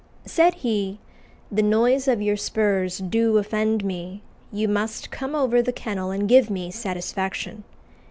Said he, 'The noise of your spurs doe offend me; you must come over the kennel and give me satisfaction.